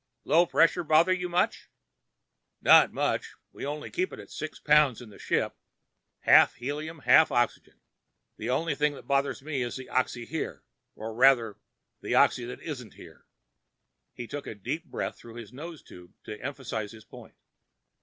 "Low pressure bother you much?" "Not much. We only keep it at six pounds in the ships. Half helium and half oxygen. Only thing that bothers me is the oxy here. Or rather, the oxy that isn't here." He took a deep breath through his nose tube to emphasize his point.